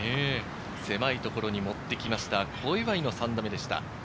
狭いところに打ってきました、小祝の３打目でした。